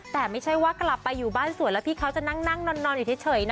แต่ไม่ใช่ว่ากลับไปอยู่บ้านสวนแล้วพี่เขาจะนั่งนอนอยู่เฉยนะ